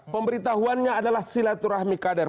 pemberitahuannya adalah silaturahmi kader